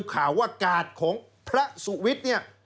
ข่าวว่ากาดของพระสุวิทย์เนี่ย